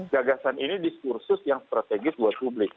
gagasan ini diskursus yang strategis buat publik